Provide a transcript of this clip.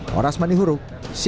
horas manihuruk cnn indonesia